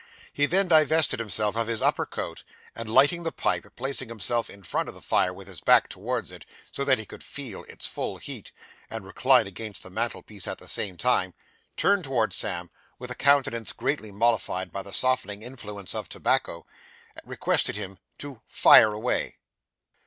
He then divested himself of his upper coat; and lighting the pipe and placing himself in front of the fire with his back towards it, so that he could feel its full heat, and recline against the mantel piece at the same time, turned towards Sam, and, with a countenance greatly mollified by the softening influence of tobacco, requested him to 'fire away.